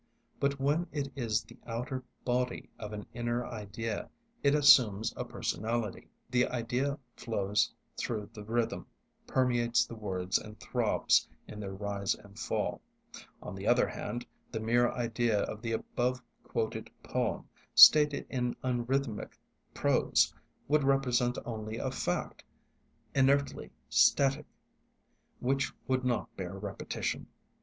But when it is the outer body of an inner idea it assumes a personality. The idea flows through the rhythm, permeates the words and throbs in their rise and fall. On the other hand, the mere idea of the above quoted poem, stated in unrhythmic prose, would represent only a fact, inertly static, which would not bear repetition.